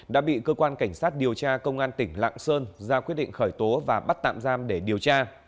đã bị cơ quan cảnh sát điều tra công an tỉnh lạng sơn ra quyết định khởi tố và bắt tạm giam để điều tra